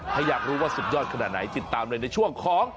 ถ้าอยากรู้ว่าสุดยอดขนาดไหนติดตามเลยในช่วงของ